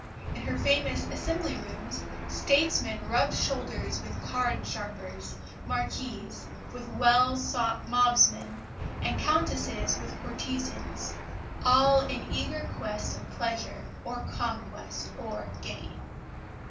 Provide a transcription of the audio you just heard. In her famous Assembly Rooms, statesmen rubbed shoulders with card sharpers, Marquises with swell mobsmen, and Countesses with courtesans, all in eager quest of pleasure or conquest or gain.